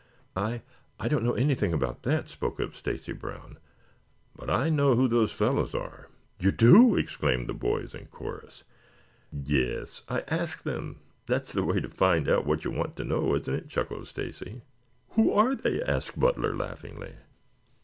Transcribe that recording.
"I I don't know anything about that," spoke up Stacy Brown. "But I know who those fellows are." "You do?" exclaimed the boys in chorus. "Yes. I asked them. That's the way to find out what you want to know, isn't it?" chuckled Stacy. "Who are they?" asked Butler laughingly.